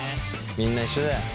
みんな一緒だよ。